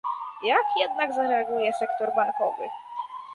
Jak jednak zareaguje sektor bankowy?